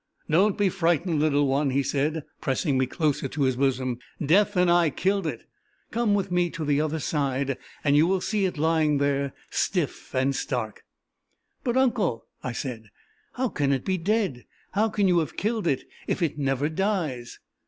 "Don't be frightened, little one," he said, pressing me closer to his bosom. "Death and I killed it. Come with me to the other side, and you will see it lying there, stiff and stark." "But, uncle," I said, "how can it be dead how can you have killed it, if it never dies?"